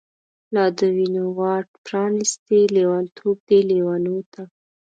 لادوینو واټ پرانستی، لیونتوب دی لیونو ته